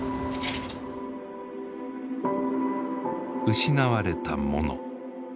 失われたもの。